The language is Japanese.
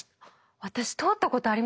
私通ったことあります！